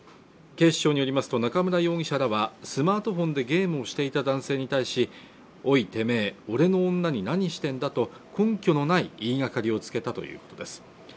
警視庁によりますと中村容疑者らはスマートフォンでゲームをしていた男性に対しおいてめえ、俺の女に何してんだと根拠のない言いがかりをつけたということです